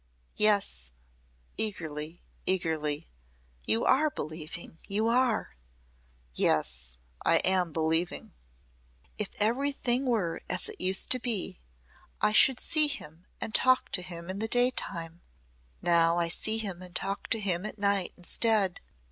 Yes " eagerly, eagerly, "you are believing you are!" "Yes I am believing." "If everything were as it used to be I should see him and talk to him in the day time. Now I see him and talk to him at night instead.